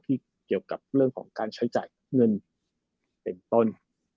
เกี่ยวกับเรื่องของการใช้จ่ายเงินเป็นต้น